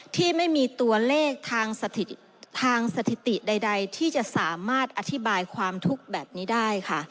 ที่ไม่มีตัวเลขทางสถิติใดที่จะสามารถอธิบายความทุกข์แบบนี้ได้ค่ะ